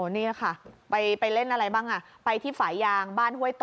นี่ค่ะไปเล่นอะไรบ้างไปที่ฝ่ายยางบ้านห้วยโต